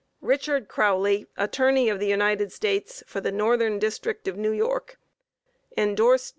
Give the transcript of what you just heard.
RICHARD CROWLEY, Attorney of the United States, For the Northern District Of New York. (Endorsed.)